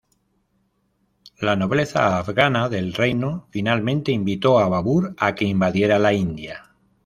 La nobleza afgana del reino finalmente invitó a Babur a que invadiera la India.